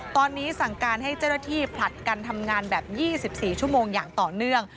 ตอนนี้สั่งการให้เจ้าหน้าที่ผลัดกันทำงานแบบ๒๔ชั่วโมงอย่างต่อเนื่อง